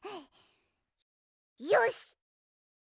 よし！